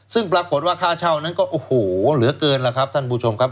ซึ่งปรากฏว่าค่าเช่านั้นก็โอ้โหเหลือเกินแล้วครับท่านผู้ชมครับ